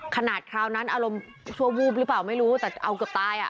คราวนั้นอารมณ์ชั่ววูบหรือเปล่าไม่รู้แต่เอาเกือบตายอ่ะ